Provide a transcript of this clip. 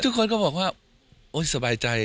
ทุกคนก็บอกว่าโอ๊ยสบายใจ